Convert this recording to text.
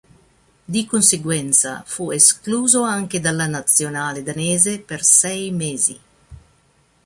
Di conseguenza fu escluso anche dalla Nazionale danese per sei mesi.